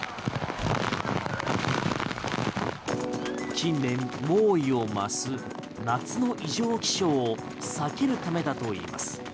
近年、猛威を増す夏の異常気象を避けるためだといいます。